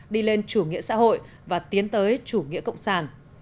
đi lên chủ nghĩa xã hội và tiến tới chủ nghĩa cộng sản